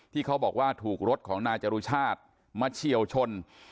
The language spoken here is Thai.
เขาบอกว่าถูกรถของนายจรุชาติมาเฉียวชน